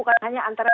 bukan hanya antara